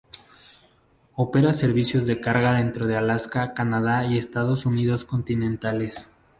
Opera servicios de carga dentro de Alaska, Canadá y Estados Unidos continentales.